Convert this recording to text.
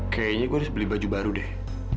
kayaknya gue harus beli baju baru deh